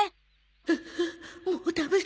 ううもうダメだ